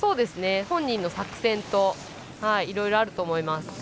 本人の作戦といろいろあると思います。